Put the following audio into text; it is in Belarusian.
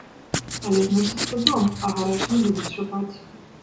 Але зносіцца дом, а гараж не будуць чапаць.